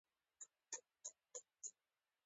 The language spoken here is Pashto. زموږ په ملک کې ادارې پیاوړې دي.